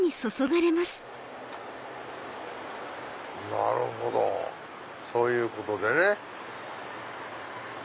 なるほどそういうことでね。